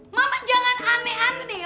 mama jangan aneh aneh